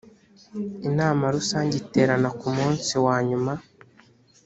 inama rusange iterana kumunsi wanyuma.